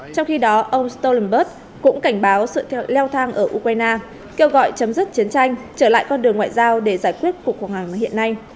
trong khi đó ông stolenberg cũng cảnh báo sự leo thang ở ukraine kêu gọi chấm dứt chiến tranh trở lại con đường ngoại giao để giải quyết cuộc khủng hoảng hiện nay